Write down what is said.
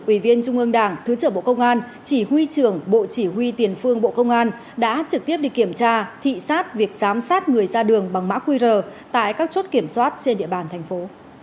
ủy viên trung ương đảng thứ trưởng bộ công an chỉ huy trưởng bộ chỉ huy tiền phương bộ công an đã trực tiếp đi kiểm tra thị sát việc giám sát người ra đường bằng mã qr tại các chốt kiểm soát trên địa bàn thành phố